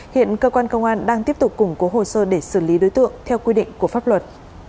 hiện cơ quan công an đang tiếp tục củng cố hồ sơ để xử lý đối tượng theo quy định của pháp luật